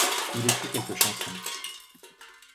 Il écrit quelques chansons.